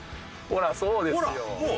ほらそうですよ。